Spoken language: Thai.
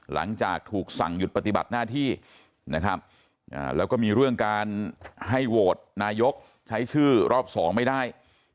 หลังจากถูกสั่งหยุดปฏิบัติหน้าที่นะครับแล้วก็มีเรื่องการให้โหวตนายกใช้ชื่อรอบสองไม่ได้